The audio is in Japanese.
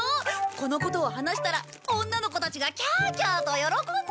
このことを話したら女の子たちがキャーキャーと喜んじゃって。